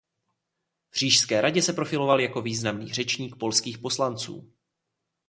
V Říšské radě se profiloval jako významný řečník polských poslanců.